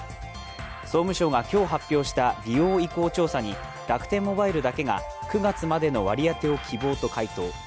総務省が今日発表した利用意向調査に楽天モバイルだけが９月までの割り当てを希望と回答。